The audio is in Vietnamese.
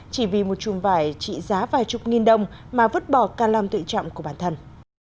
chỉ vì một chùm vải trị giá vài chục nghìn đồng mà vứt bỏ ca làm tự trọng của bản thân